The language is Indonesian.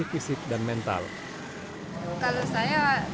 sekitar dua bulan